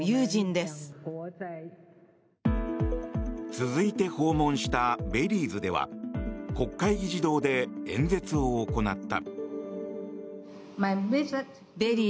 続いて訪問したベリーズでは国会議事堂で演説を行った。